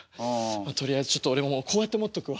とりあえずちょっと俺こうやって持っとくわ。